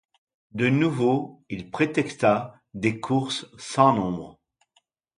De nouveau, il prétexta des courses sans nombre.